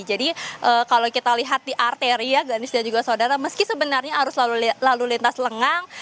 jadi kalau kita lihat di arteria gladys dan juga saudara meski sebenarnya harus lalu lintas lengang